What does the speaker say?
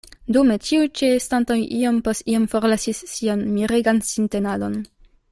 Dume ĉiuj ĉeestantoj iom post iom forlasis sian miregan sintenadon.